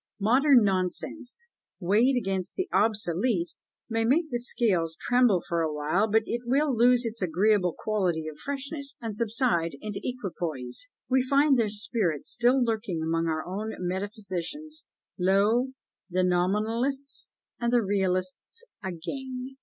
Modern nonsense, weighed against the obsolete, may make the scales tremble for awhile, but it will lose its agreeable quality of freshness, and subside into an equipoise. We find their spirit still lurking among our own metaphysicians! "Lo! the Nominalists and the Realists again!"